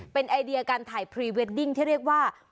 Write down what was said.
เป็นไอเดียการถ่ายพรีเวดดิ้งที่เรียกว่า